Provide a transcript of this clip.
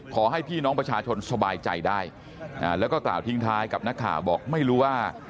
ขอให้พี่น้องประชาชนสบายใจได้แล้วก็กล่าวทิ้งท้ายกับนักข่าวบอกไม่รู้ว่า